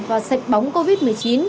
và sạch bóng covid một mươi chín